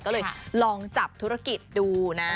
ก็เลยลองจับธุรกิจดูนะ